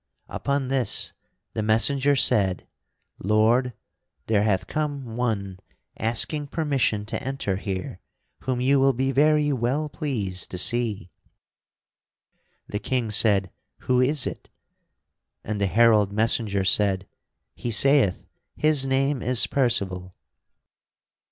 Upon this the messenger said: "Lord, there hath come one asking permission to enter here whom you will be very well pleased to see." The King said, "Who is it?" And the herald messenger said, "He saith his name is Percival."